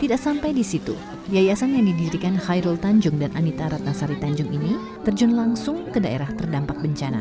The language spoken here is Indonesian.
tidak sampai di situ yayasan yang didirikan khairul tanjung dan anita ratnasari tanjung ini terjun langsung ke daerah terdampak bencana